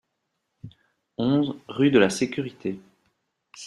onze rue de la Sécurité